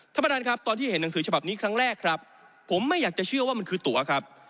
ท่านประธานครับตอนที่เห็นหนังสือฉบับนี้ครั้งแรกครับผมไม่อยากจะเชื่อว่ามันคือตัวครับ